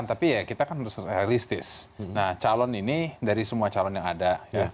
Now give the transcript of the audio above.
tapi ya kita kan harus realistis nah calon ini dari semua calon yang ada